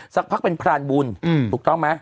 สักพักเป็นพรานบุญถูกต้องไหม